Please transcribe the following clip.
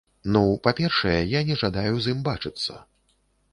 Ну, па-першае, я не жадаю з ім бачыцца.